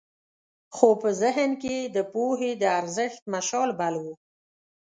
خو په ذهن کې یې د پوهې د ارزښت مشال بل و.